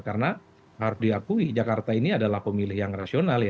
karena harus diakui jakarta ini adalah pemilih yang rasional